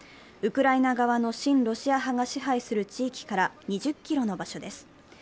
ウクライナ側の親ロシア派が支配する地域から２０ｋｍの場所です。